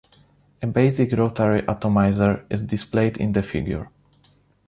A basic rotary atomizer is displayed in the figure.